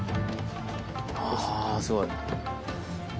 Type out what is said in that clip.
あぁすごい。